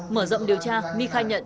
mở rộng điều tra my khai nhận